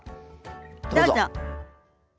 どうぞ。